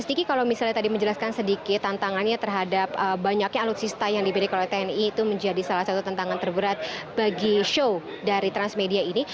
mas diki kalau misalnya tadi menjelaskan sedikit tantangannya terhadap banyaknya alutsista yang dipilih oleh tni itu menjadi salah satu tantangan terberat bagi show dari transmedia ini